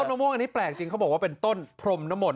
มะม่วงอันนี้แปลกจริงเขาบอกว่าเป็นต้นพรมนมล